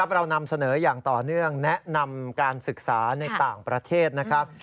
เรานำเสนออย่างต่อเนื่องแนะนำการศึกษาในต่างประเทศนะครับ